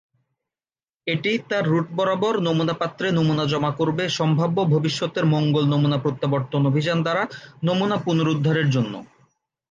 এটি তার রুট বরাবর নমুনা পাত্রে নমুনা জমা করবে সম্ভাব্য ভবিষ্যতের মঙ্গল নমুনা-প্রত্যাবর্তন অভিযান দ্বারা নমুনা পুনরুদ্ধারের জন্য।